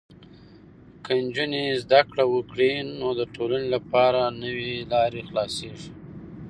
که نجونې زده کړه وکړي، نو د ټولنې لپاره نوې لارې خلاصېږي.